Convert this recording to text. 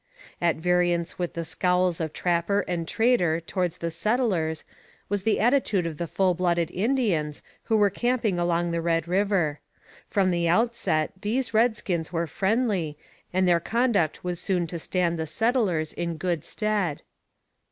At variance with the scowls of trapper and trader towards the settlers was the attitude of the full blooded Indians who were camping along the Red River. From the outset these red skins were friendly, and their conduct was soon to stand the settlers in good stead.